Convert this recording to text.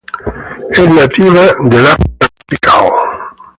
Es nativa de África tropical.